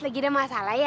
lagi ada masalah ya